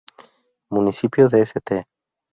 Municipio de St.